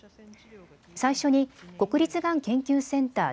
最初に国立がん研究センター